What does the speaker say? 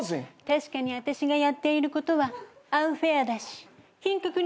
「確かに私がやっていることはアンフェアだし品格に欠けるわ」